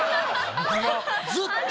ずっと。